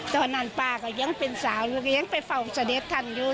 ตอนนั้นป้าก็ยังเป็นสาวลูกเลี้ยงไปเฝ้าเสด็จท่านอยู่